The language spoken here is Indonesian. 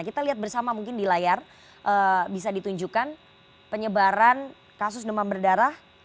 kita lihat bersama mungkin di layar bisa ditunjukkan penyebaran kasus demam berdarah